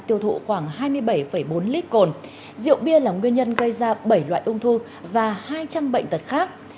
tiêu thụ khoảng hai mươi bảy bốn lít cồn rượu bia là nguyên nhân gây ra bảy loại ung thư và hai trăm linh bệnh tật khác